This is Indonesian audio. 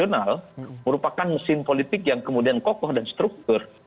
dan itu juga profesional merupakan mesin politik yang kemudian kokoh dan struktur